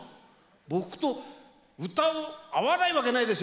僕と歌う合わないわけないでしょ。